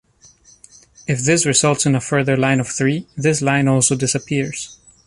If this results in a further line of three, this line also disappears.